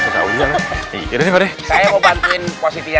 saya mau bantuin posisinya